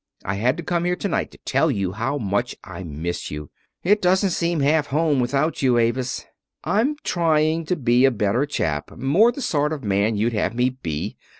I had to come here tonight to tell you how much I miss you. It doesn't seem half home without you. Avis, I'm trying to be a better chap more the sort of man you'd have me be.